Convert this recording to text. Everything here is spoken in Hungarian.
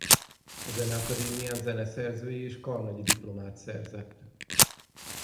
A Zeneakadémián zeneszerzői és karnagyi diplomát szerzett.